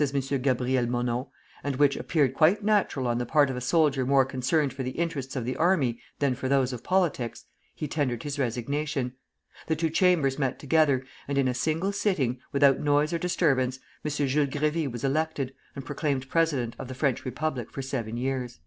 Gabriel Monod, "and which appeared quite natural on the part of a soldier more concerned for the interests of the army than for those of politics, he tendered his resignation. The two Chambers met together, and in a single sitting, without noise or disturbance, M. Jules Grévy was elected, and proclaimed president of the French Republic for seven years."